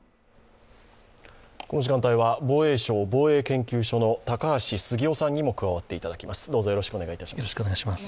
この時間帯は防衛省防衛研究所の高橋杉雄さんにも加わっていただきます。